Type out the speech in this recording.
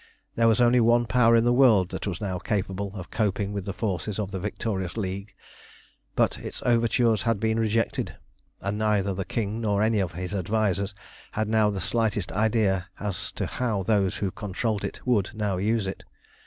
There was only one Power in the world that was now capable of coping with the forces of the victorious League, but its overtures had been rejected, and neither the King nor any of his advisers had now the slightest idea as to how those who controlled it would now use it.